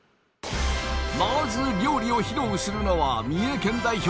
まず料理を披露するのは三重県代表